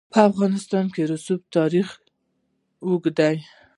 په افغانستان کې د رسوب تاریخ اوږد دی.